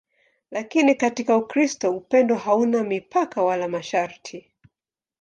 Lakini katika Ukristo upendo hauna mipaka wala masharti.